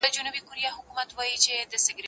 هغه څوک چي د کتابتون کتابونه لوستل کوي پوهه زياتوي!.